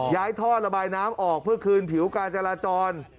ท่อระบายน้ำออกเพื่อคืนผิวการจราจร